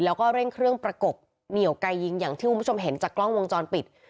แล้วก็เร่งเครื่องประกบเหนียวไกยิงอย่างที่คุณผู้ชมเห็นจากกล้องวงจรปิด